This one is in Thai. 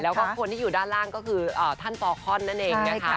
แล้วก็คนที่อยู่ด้านล่างก็คือท่านปอคอนนั่นเองนะคะ